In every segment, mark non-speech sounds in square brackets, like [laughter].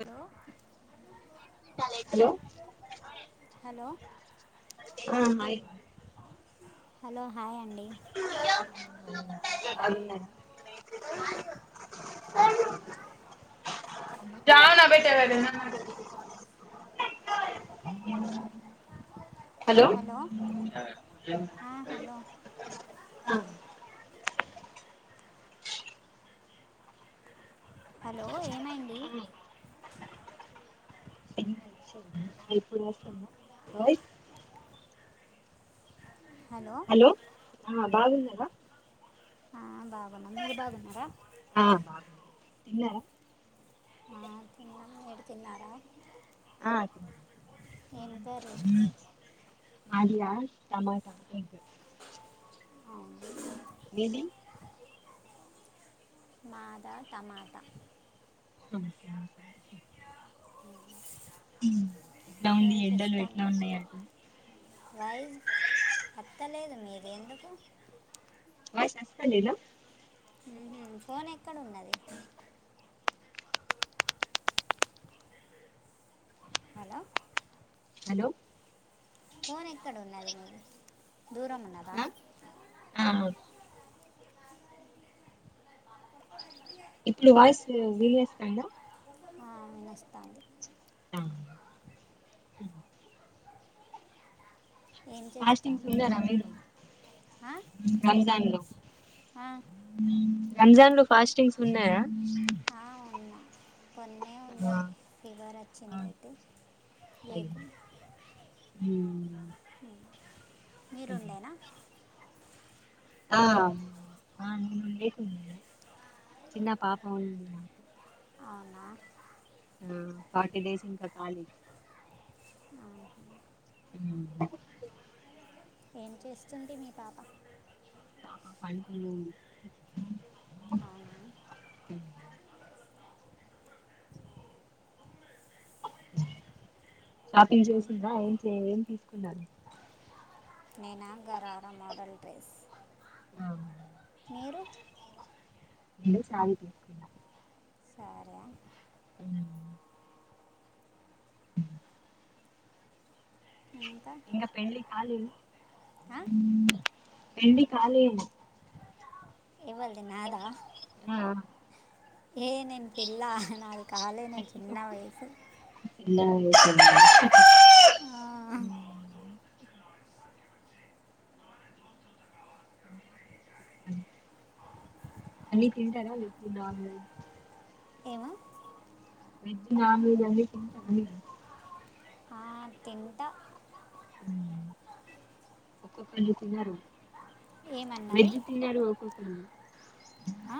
Hello hello hello ఆ hello hi అండి జావోనా బేటావర హలో ఆ, హలో హలో ఏమైంది ఇప్పుడు అవసరమా హలో బాగున్నావ ఆ బా మీరు బాగున్నర ఆ బాగున్నా తిన్నారా తిన్నా మీరు తిన్నారా ఆ ఏం కర్రీ మాదియా సమాదా ఎకు అవును మీది మాద టమాట స ఎట్లా ఉంది ఏం ఎండలు చేస్తాను ఎట్లా ఉన్నాయి అట్లు ఎత్తలేదు మీది ఎందుకు వాయిస్ వస్తలేదా ఫోన్ ఎక్కడ ఉందండి హలో హలో ఫోన్ ఎక్కడ ఉన్నది మీరు దూరం ఉన్నదా ఆ ఇప్పుడు వాయిస్ వీలియస్ కాంద వినపిస్తాంది ఆ ఏం ఫస్టింగ్ చేస్తాను ఉండరా అ మీరు రంజాన్ లో రంజాన్ లో ఆ ఉన్నా కునే ఉన్న ఫీవర్ వచ్చిందయితే లేకు మీరుండేనా ఆ నేను లేకున్నా చిన్న పాప ఉంది అవునా ఉమ్ ఫార్టీ డేస్ ఇంక ఖాళీ ఆ, అ ఏం చేస్తుంది మీ పాప పాపా పడుకుని ఉంది అవునా [inaudible] షాపింగ్ చేసిందా ఏం చెయం తీసుకున్నారు నేనా గారారా మోడల్ డ్రెస్ ఆ మీరు నేను సారీ తీసుకున్న సరే ఆ అ ఇంకా ఇంగ పెళ్ళి కాలే ఆ, పెండ్లి కాలే ఏవల్ది నాదా ఆ ఏ నేను పిల్ల నాకు కాలే నేను చిన్న వయసు చిన్నగా ఆ అయిపోయింది. అన్నీ తింటారా వెజ్ నాన్ వెజ్ ఏమ వెజ్ నాన్ వెజ్ అన్ని తింట అన్ని ఆ, తింటా ఒక్కొక్కళ్ళు తినరు ఏమన్నారు వెజ్ తినరు ఒక్కళు ఆ?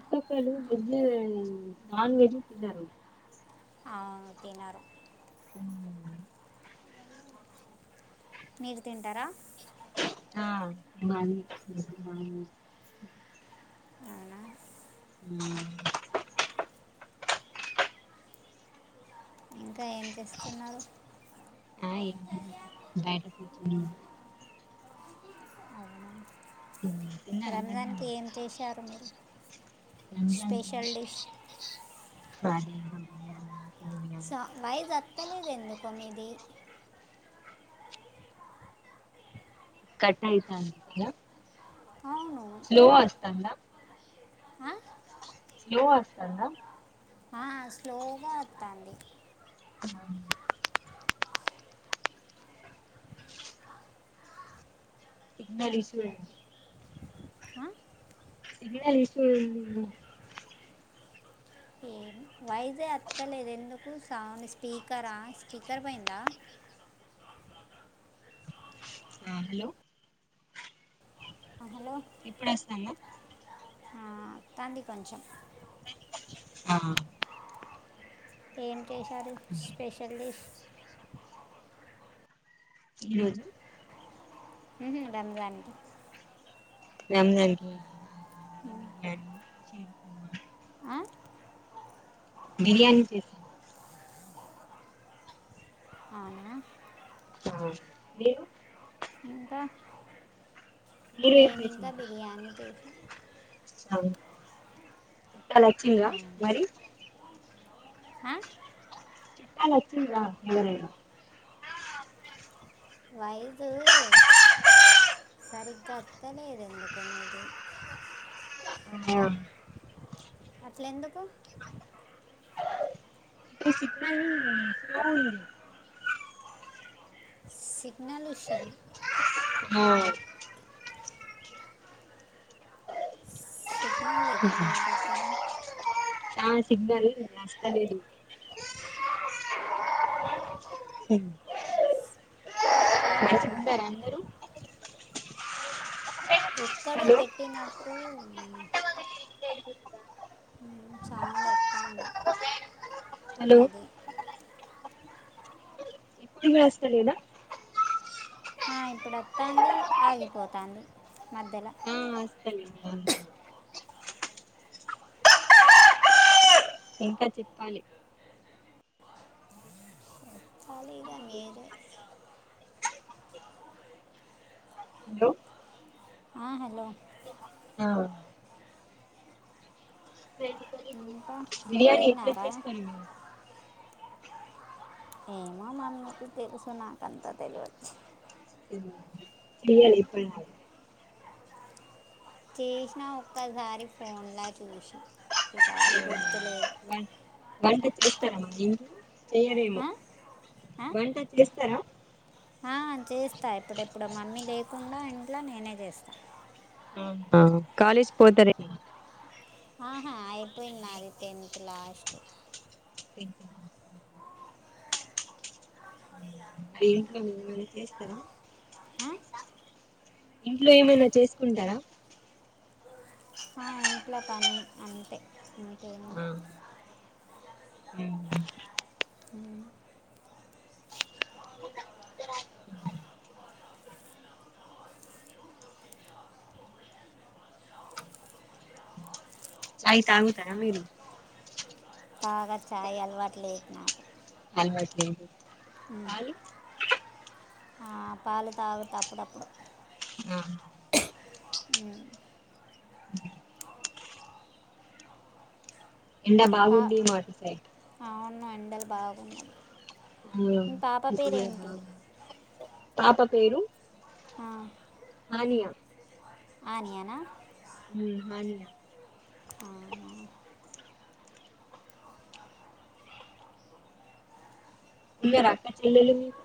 ఒక్కొక్కళ్ళు వెజ్ నాన్ వెజ్ తినరు తిన్నారు ఉ మీరు తింటారా ఆ బానే అవునా ఆ ఇంకా ఏం చేస్తున్నారు ఆ ఏంటీ బయట కూ అవునా తిన్నారా మరి రంజాన్కి అన్నం ఏం చేశారు మీరు రంజాన్ స్పెషల్ డిష్ అదే స వాయిస్ వత్తలేదు ఎందుకో మీది కట్ అయితాంది కదా అవును స్లో వస్తాంద ఆ? స్లో వస్తాందా ఆ, స్లోగా వస్తుంది ఆ సిగ్నల్ ఇష్యూ [unintelligible] వయసే ఎత్తలేదు ఎందుకు సౌండ్ స్పీకరా స్పీకర్ పోయిందా ఆ హలో ఆ, హలో ఇప్పుడు వస్తాందా తాంది కొంచెం ఆ ఏన్ జేశారు స్పెషల్ డిష్ లేదు మ్మ్హు రంజాన్కి రంజాన్కి అ సరిపోమ బిర్యానీ చేసాను అవునా ఆ మీరు ఇంకా మీరు ఏం మేమి ఇంకా బిర్యానీ చేసి అవు ఇయాల వచ్చింద మరి చట్టాలాచ్చిండ్రా ఎవరైనా వయసు సరిగ్గా వత్తలేదు ఎందుకొ మీది ఆహ అట్ల ఎందుకు ఇ సిగ్నల్ స్లో ఉంధి సిగ్నల్ ఇష్యూ ఆ సిగ్నల్ లేదా మీ దగ్గర ఆా సిగ్నాల అస్తలేదు హ ఏమన్నారు [inaudible] అందరుూ ఎక్కడో హలో పెట్టినట్టు మ్, సౌండ్ ఒత్తాంది హలో మీది ఇప్పుడు వేస్తలేదా ఆ ఇప్పుడోత్తాంది ఆగిపోతుంది మద్దేల అలి ఇంకా చెప్పాలి ఖాళీగా మీరే హలో ఆ, హలో అవున్ ఇంకా బిర్యానీ ఎట్లా తిన్నారా చేస్తరు మీరు ఏమో మ మీకు తెలుసు నాకంత తెలివదు ప్చ్ [unintelligible] చేసినా ఒక్కసారి ఫోన్లా చూసి ఇకా అది గుర్తులేదు వం వంట చేస్తారా మరి ఈవినింగ్ చేయరేమో ఆ? ఆ? వంట చేస్తారా ఆ చేస్తా ఎప్పుడెప్పుడో మమ్మీ లేకుండా ఇంట్లో నేనే చేస్తా ఆ కాలేజ్ పోతరే ఆహా అయిపోయింది నాది టెన్త్ లాస్ట్ టెన్త్ లాస్టా మరి ఇంట్లో ఏమైనా చేస్తారా ఆ? ఇంట్లో ఏమైనా చేసుకుంటారా ఇంట్ల పని అంతే ఇంకేం ఆ లేదు మ్ మ్ [inaudible] ఛాయ్ తాగుతారా మీరు తాగా చాయ్ అలవాటు లేదు నాకు అల్వా సేమ్ టు ఉహు పాలు తాగుత అప్పుడప్పుడు ఆ మ్ ఎండ పా బాగుంది మోటర్ సైడ్ అవును ఎండలు బాగున్నవి ఆ ఇప్పుడే నా పాప పేరు ఆ హనియా ఆనియానా ఊ హానియే ఆహా ఎందరు అక్క చెల్లెలు మీకు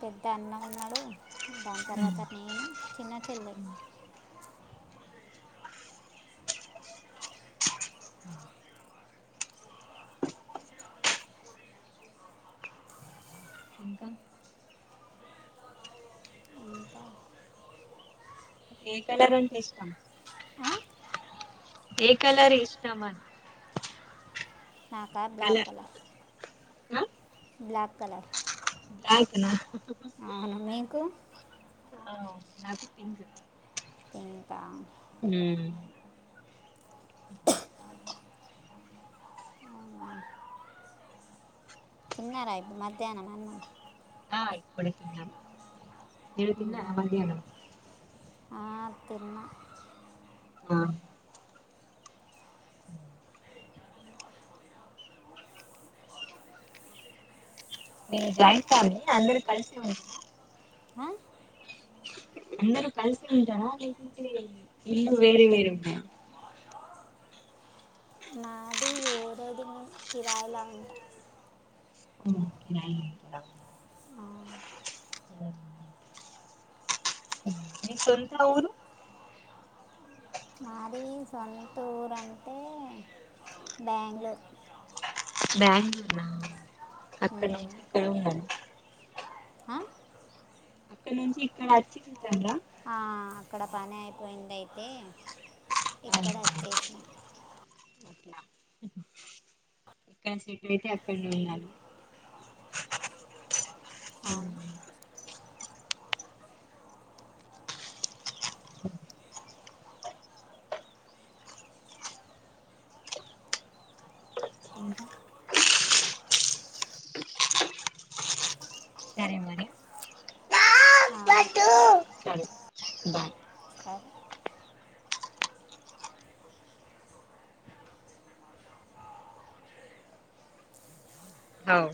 టెన్ అన్నా ఉన్నాడు దాని తర్వాత నేను చిన్న చెల్లె ఇంకా ఇంకా ఏ కలర్ అంటే ఇష్టం ఆ? ఏ కలర్ ఇష్టం అని నాకా బ్లాక్ కలర్ ఆ బ్లక్ కలర్ బ్లాక్ నా అవును మీకు ఆ నాకు పింగు ఇంకా [inaudible] తిన్నార ఇపు మధ్యాహ్నం అన్నం ఆ ఇప్పుడే తిన్నం తిన్నారా మధ్యనం అ తిన్న ఆ ఉ మీ జాయింట్ ఫ్యామిలీ అందరు కలిసి ఉంటుర ఆ? అందరు కలిసి ఉంటారా లేకుంటే ఇళ్లు వేరే వేరుంటాయా [inaudible] ఈ వేరేదిను కిరయల ఉంట ఒ కిరాయి వుంటరా ఊ ఊ మీ సొంత ఊరు మాది సొంతూరంటే బ్యాంగళూరు బ్యాంగళూర అక్కడ ఉమ్. నుంచి ఇక్కడ ఉండండి అ అక్కడ నుంచి ఇక్కడ వచ్చి ఉంటండ్ల ఆ అక్కడ పని అయిపోయిందయితే ఇక్కడ వచ్చేసినం ఎక్కడ సెటిల్ అయితే అక్కనే ఉండాలి అ ఇంకా సరే మరి ఆ, ఎటు సరే అవు